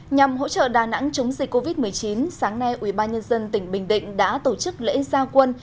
nhằm hỗ trợ đà nẵng chống dịch covid một mươi chín sáng nay ubnd tỉnh bình định đã tổ chức lễ gia quân